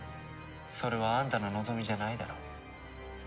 それはあんたの望みじゃないだろ？